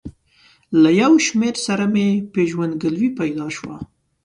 له یو شمېر سره مې پېژندګلوي پیدا شوه.